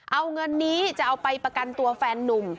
เอาเงินนี้จะเอาไปประกันตัวแฟนนุ่ม